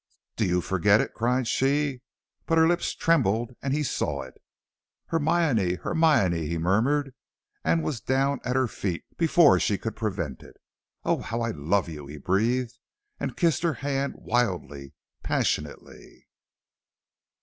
"Do you forget it!" cried she; but her lips trembled and he saw it. "Hermione! Hermione!" he murmured, and was down at her feet before she could prevent it. "Oh, how I love you!" he breathed, and kissed her hand wildly, passionately.